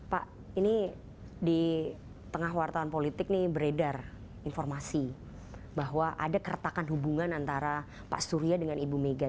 pak ini di tengah wartawan politik ini beredar informasi bahwa ada keretakan hubungan antara pak surya dengan ibu mega